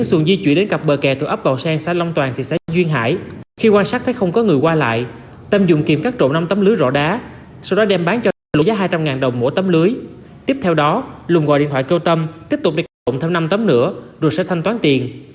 tiếp theo đó lùng gọi điện thoại kêu tâm tiếp tục đi cắt trộn thêm năm tấm nữa rồi sẽ thanh toán tiền